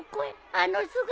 あの姿。